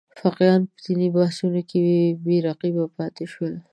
فقیهان په دیني بحثونو کې بې رقیبه پاتې شول.